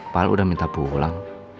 pakal udah minta pulang